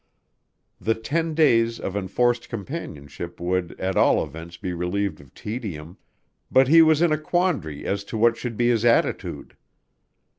The ten days of enforced companionship would at all events be relieved of tedium, but he was in a quandary as to what should be his attitude.